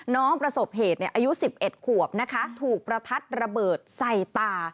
ประสบเหตุอายุ๑๑ขวบนะคะถูกประทัดระเบิดใส่ตา